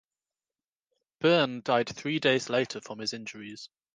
Byrne died three days later from his injuries.